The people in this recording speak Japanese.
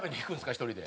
１人で。